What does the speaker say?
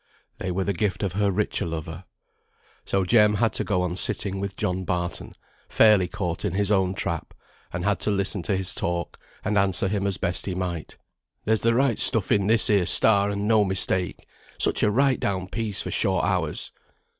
They were the gift of her richer lover. So Jem had to go on sitting with John Barton, fairly caught in his own trap, and had to listen to his talk, and answer him as best he might. "There's the right stuff in this here 'Star,' and no mistake. Such a right down piece for short hours."